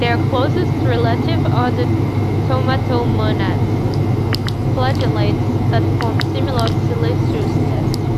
Their closest relatives are the thaumatomonads, flagellates that form similar siliceous tests.